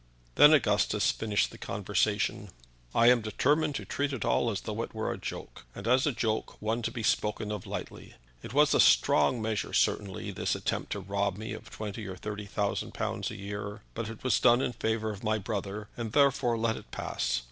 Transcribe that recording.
Then Augustus finished the conversation. "I am determined to treat it all as though it were a joke, and, as a joke, one to be spoken of lightly. It was a strong measure, certainly, this attempt to rob me of twenty or thirty thousand pounds a year. But it was done in favor of my brother, and therefore let it pass.